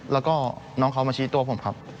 แล้วก็น้องเขามาชี้ตัวผมครับ